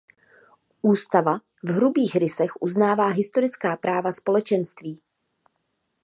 Ústava v hrubých rysech uznává historická práva společenství.